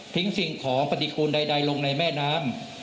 ๓ทิ้งสิ่งของปฏิคูณใดลงในแม่น้ำ